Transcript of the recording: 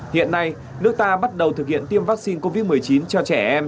hiện nay nước ta bắt đầu thực hiện tiêm vaccine